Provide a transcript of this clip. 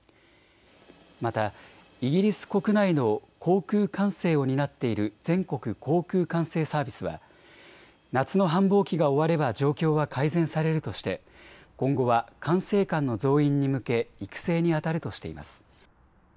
またイギリス国内の航空管制を担っている全国航空管制サービスは夏の繁忙期が終われば状況は改善されるとして今後は管制官の増員に向け育成にあたるとしています。